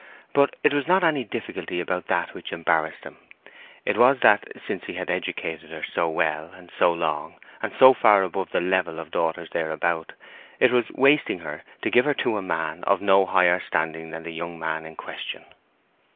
But it was not any difficulty about that which embarrassed him. It was that, since he had educated her so well, and so long, and so far above the level of daughters thereabout, it was wasting her to give her to a man of no higher standing than the young man in question.